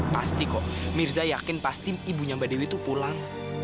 pasti kok mirza yakin pasti ibunya mbak dewi itu pulang